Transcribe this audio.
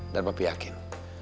dan papi yakin